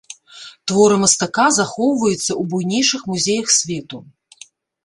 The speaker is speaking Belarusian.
Творы мастака, захоўваюцца ў буйнейшых музеях свету.